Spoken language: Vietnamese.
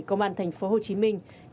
công an thành phố hồ chí minh